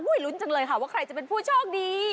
ลุ้นจังเลยค่ะว่าใครจะเป็นผู้โชคดี